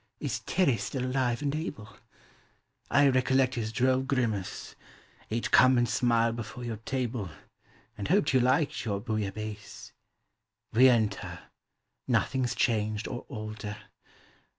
Is Terr£ still alive and able? I recollect his droll grimace; He'd come and smile before your table, And hojied you liked your Bouillabaisse. We enter; nothing's changed or older.